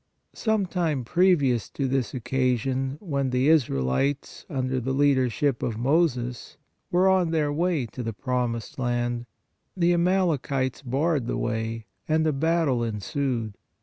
Some time previous to this occa sion, when the Israelites, under the leadership of Moses, were on their way to the Promised Land, the Amalecites barred the way, and a battle ensued.